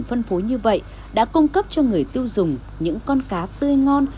phân phối như vậy đã cung cấp cho người tiêu dùng những con cá tươi ngon